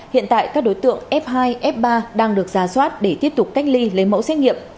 hiện tại các đối tượng f hai f ba đang được giả soát để tiếp tục cách ly lấy mẫu xét nghiệm